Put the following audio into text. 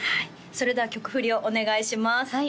それでは曲振りをお願いします